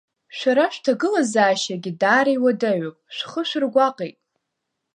Шәара шәҭагылазаашьагьы даара иуадаҩуп, шәхы шәыргәаҟит?